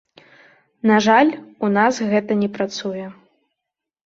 На жаль, у нас гэта не працуе.